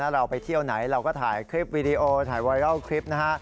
เราไปเที่ยวไหนเราก็ถ่ายคลิปวิดีโอถ่ายไวรัลคลิปนะฮะ